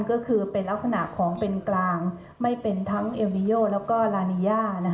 ก็คือเป็นลักษณะของเป็นกลางไม่เป็นทั้งเอลนิโยแล้วก็ลานีย่า